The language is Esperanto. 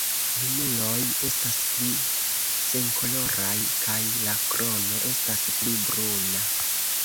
Junuloj estas pli senkoloraj kaj la krono estas pli bruna.